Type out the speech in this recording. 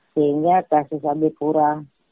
sehingga kasus ambit pura